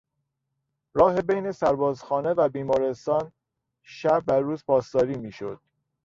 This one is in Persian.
راه بین سربازخانه و بیمارستان شب و روز پاسداری میشد.